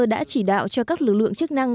đã chỉ đạo cho các lực lượng chức năng